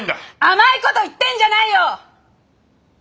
甘い事言ってんじゃないよ！